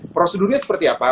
prosedurnya seperti apa